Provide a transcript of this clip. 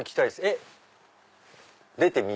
えっ出て右？